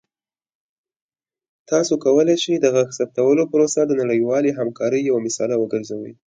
تاسو کولی شئ د غږ ثبتولو پروسه د نړیوالې همکارۍ یوه مثاله وګرځوئ.